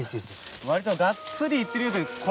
割とがっつり行ってるようで。